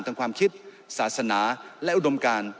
ความคิดศาสนาและอุดมการ